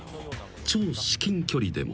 超至近距離でも］